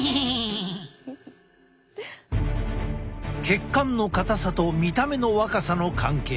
血管の硬さと見た目の若さの関係。